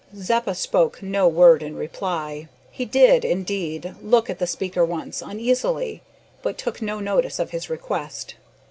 Zeppa spoke no word in reply. He did, indeed, look at the speaker once, uneasily, but took no notice of his request.